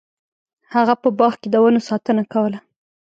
هغه په باغ کې د ونو ساتنه کوله.